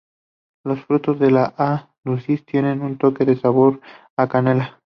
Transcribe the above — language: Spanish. Los frutos de la "A. dulcis" tienen un toque de sabor a canela.